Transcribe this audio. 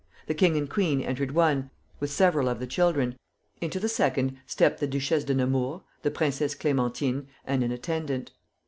The king and queen entered one, with several of the children. Into the second stepped the Duchesse de Nemours, the Princess Clémentine, and an attendant.